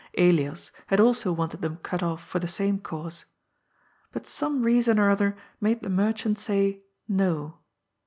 Elias • had also wanted them cut off for the same cause. But some reason or other made the merchant say " No."